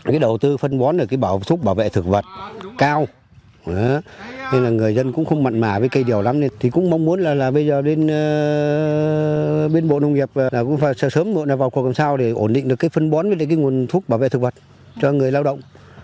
cái đầu tư phân bón là cái nguồn thuốc bảo vệ thực vật cao nên là người dân cũng không mạnh mả với cây dầu lắm nên thì cũng mong muốn là bây giờ đến bộ nông nghiệp sớm sớm vào còn làm sao để ổn định được cái phân bón với cái nguồn thuốc bảo vệ thực vật cho người lao động